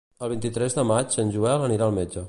El vint-i-tres de maig en Joel anirà al metge.